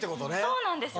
そうなんですよ。